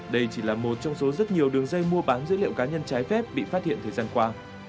đây chỉ là một trong số rất nhiều đường dây mua bán dữ liệu cá nhân trái phép bị phát hiện thời gian qua